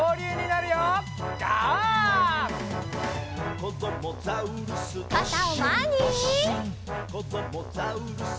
「こどもザウルス